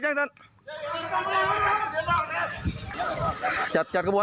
แล้วไม่ดีเจ็บตัว